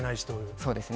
そうですね。